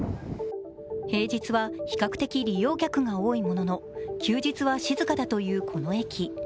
平日は比較的利用客が多いものの、休日は静かだというこの駅。